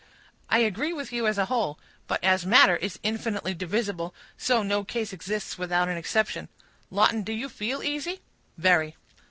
"I agree with you as a whole; but as matter is infinitely divisible, so no case exists without an exception. Lawton, do you feel easy?" "Very."